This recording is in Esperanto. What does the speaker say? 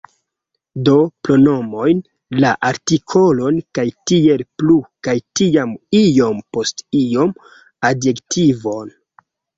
Do, pronomojn, la artikolon kaj tiel plu kaj tiam iom post iom adjektivojn